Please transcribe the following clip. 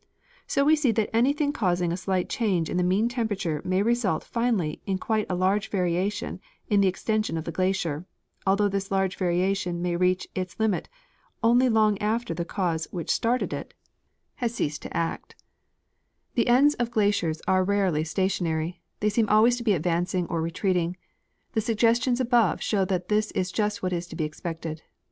So we see that anything causing a slight change in the mean tem perature may result finally in quite a large variation in the ex tension of the glacier, although this large variation may reach its limit only long after the cause which started it has ceased to *Agassiz, Etudes sur les Glaciers, 1840, chap. xvi. Decadence of the Glaciers. 41 act. The ends of glaciers are rarely stationary ; they seem always to be advancing or retreating ; the suggestions above show that this is just what is to l^e expected.